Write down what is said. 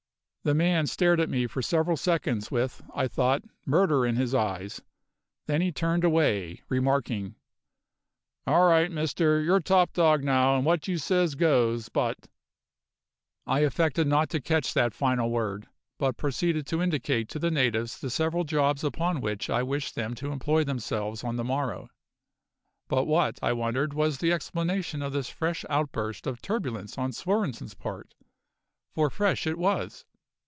The man stared at me for several seconds with, I thought, murder in his eyes, then he turned away, remarking: "All right, Mister, you're top dog now, and what you says goes, but " I affected not to catch that final word, but proceeded to indicate to the natives the several jobs upon which I wished them to employ themselves on the morrow. But what, I wondered, was the explanation of this fresh outburst of turbulence on Svorenssen's part for fresh it was.